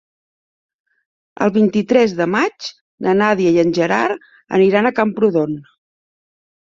El vint-i-tres de maig na Nàdia i en Gerard aniran a Camprodon.